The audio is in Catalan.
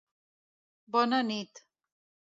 Bona Nit.